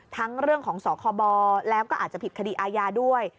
ทั้งเรื่องของสคบแล้วก็อาจจะผิดคดีอาญาด้วย